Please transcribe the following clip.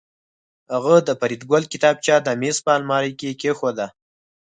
هغه د فریدګل کتابچه د میز په المارۍ کې کېښوده